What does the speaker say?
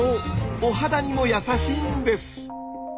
お肌にも優しいんです。